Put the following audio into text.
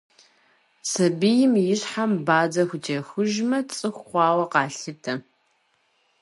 Сабийм и щхьэм бадзэ хутехужмэ, цӏыху хъуауэ къалъытэ.